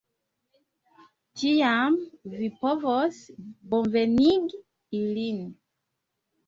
Tiam vi povos bonvenigi ilin.